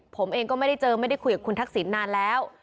ผมเองก็ไม่ได้เจอไม่ได้คุยกับคุณทักษิณนานแล้ว